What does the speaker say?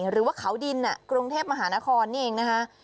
หรือว่าเขาดินกรุงเทพมหานครนี่เองนะคะ